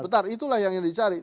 betul itulah yang dicari